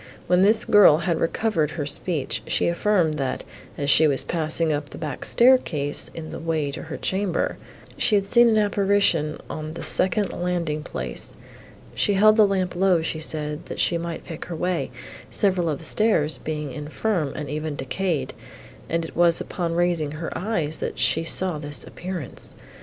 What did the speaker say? When this girl had recovered her speech, she affirmed, that, as she was passing up the back staircase, in the way to her chamber, she had seen an apparition on the second landing place; she held the lamp low, she said, that she might pick her way, several of the stairs being infirm and even decayed, and it was upon raising her eyes, that she saw this appearance.